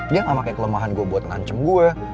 dia gak pake kelemahan gue buat ngandung gue